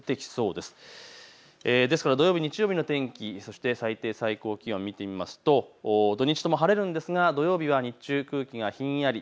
ですから土曜日、日曜日の天気最低、最高気温を見てみますと、土日とも晴れるんですが土曜日は日中空気がひんやり。